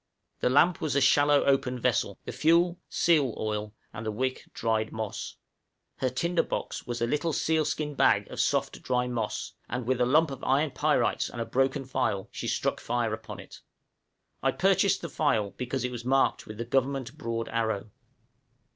The lamp was a shallow open vessel, the fuel seal oil, and the wick dried moss. Her "tinder box" was a little seal skin bag of soft dry moss, and with a lump of iron pyrites and a broken file she struck fire upon it. I purchased the file because it was marked with the Government broad arrow.